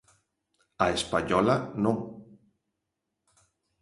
A española, non.